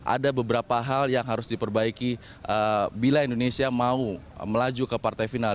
ada beberapa hal yang harus diperbaiki bila indonesia mau melaju ke partai final